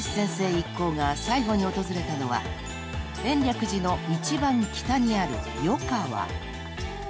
一行が最後に訪れたのは延暦寺の一番北にある横川］